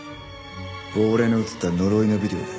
亡霊の映った呪いのビデオだ。